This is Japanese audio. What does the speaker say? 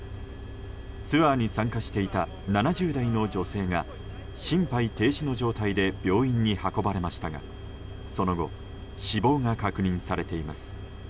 ツアーに参加していた７０代の女性が心肺停止の状態で病院に運ばれましたがその後死亡が確認されています。